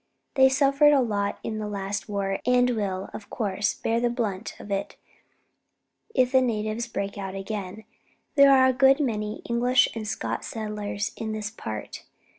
They suffered a lot in the last war, and will, of course, bear the brunt of it if the natives break out again. There are a good many English and Scotch settlers in this part.